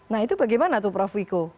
nah itu bagaimana tuh prof wiko